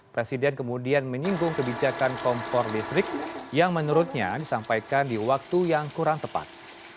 presiden kemudian menyinggung kebijakan kompor listrik yang menurutnya disampaikan di waktu yang kurang tepat